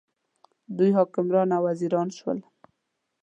دوی حکمران او وزیران شول.